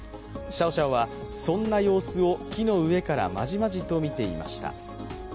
シャオシャオは、そんな様子を木の上からまじまじと見ていました。